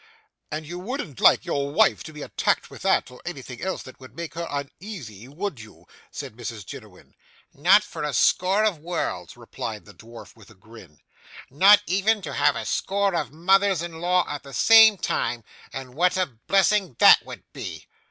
'And you wouldn't like your wife to be attacked with that, or anything else that would make her uneasy would you?' said Mrs Jiniwin. 'Not for a score of worlds,' replied the dwarf with a grin. 'Not even to have a score of mothers in law at the same time and what a blessing that would be!